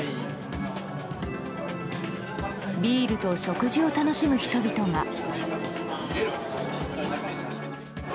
ビールと食事を楽しむ人々が。